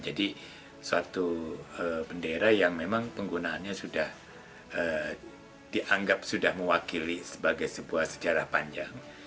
jadi suatu bendera yang memang penggunaannya sudah dianggap sudah mewakili sebagai sebuah sejarah panjang